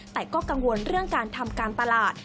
แต่ก็กังวลเรื่องการทำการตลาด